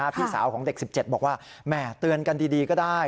พี่สาวของเด็ก๑๗บอกว่าแหม่เตือนกันดีก็ได้